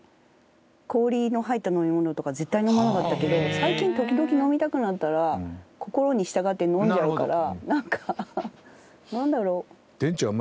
氷の入った飲み物とか絶対飲まなかったけど最近時々飲みたくなったら心に従って飲んじゃうからなんかなんだろう？